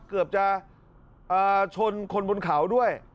เกือบจะชนคนบนเขาด้วย